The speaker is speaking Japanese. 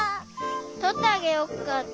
とってあげよっか？